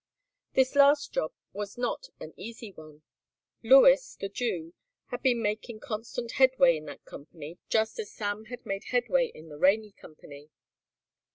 This last job was not an easy one. Lewis, the Jew, had been making constant headway in that company just as Sam had made headway in the Rainey Company.